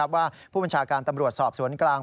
ว่าผู้บัญชาการตำรวจสอบสวนกลาง